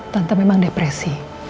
tante memang depresi